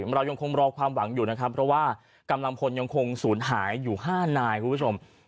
เรายังคงรอความหวังอยู่นะครับเพราะว่ากำลังพลยังคงศูนย์หายอยู่๕นายคุณผู้ชม